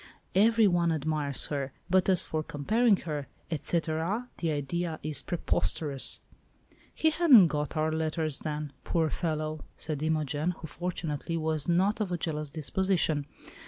Every one admires her, but as for comparing her, et cetera, the idea is preposterous." "He hadn't got our letters then, poor fellow!" said Imogen, who, fortunately, was not of a jealous disposition.